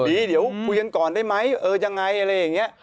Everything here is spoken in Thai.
เดี๋ยวคุยกันก่อนได้ไหมเออยังไงอะไรอย่างนี้